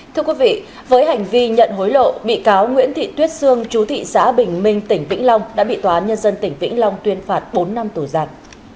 thưa quý vị với hành vi nhận hối lộ bị cáo nguyễn thị tuyết sương chú thị xã bình minh tỉnh vĩnh long đã bị tòa án nhân dân tỉnh vĩnh long tuyên phạt bốn năm tù giặt